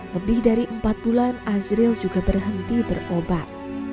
lebih dari empat bulan azril juga berhenti berobat